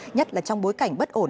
nhất là trong bối cảnh bất ổn